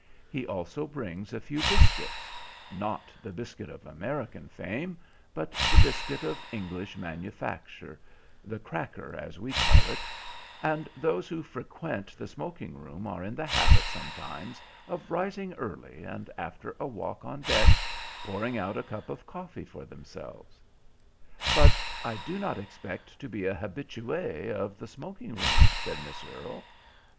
He also brings a few biscuits—not the biscuit of American fame, but the biscuit of English manufacture, the cracker, as we call it—and those who frequent the smoking room are in the habit sometimes of rising early, and, after a walk on deck, pouring out a cup of coffee for themselves." "But I do not expert to be a habitué of the smoking room," said Miss Earle.